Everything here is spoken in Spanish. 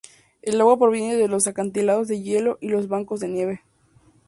El agua proviene de los acantilados de hielo y los bancos de nieve.